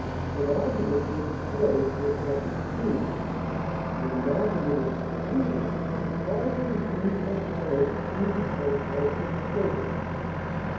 An argument may be closed with nothing proved; when an argument is concluded all that is deemed necessary to prove the point has been stated.